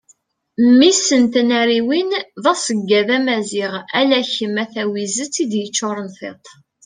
mmi-s n tnariwin d aseggad amaziɣ ala kem a tawizet i d-yeččuren tiṭ